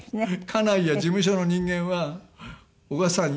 家内や事務所の人間は「小倉さん